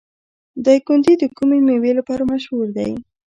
دایکنډي د کومې میوې لپاره مشهور دی؟